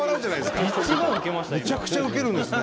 めちゃくちゃウケるんですね。